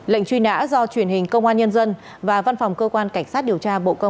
lệnh truy nã do truyền hình công an nhân dân và văn phòng cơ quan cảnh sát điều tra bộ công an phối hợp thực hiện